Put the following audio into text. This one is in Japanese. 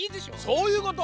そういうこと！